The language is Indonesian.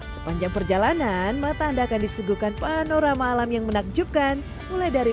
sepanjang perjalanan mata anda akan disuguhkan panorama alam yang menakjubkan mulai dari